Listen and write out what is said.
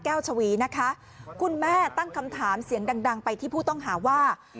ชวีนะคะคุณแม่ตั้งคำถามเสียงดังดังไปที่ผู้ต้องหาว่า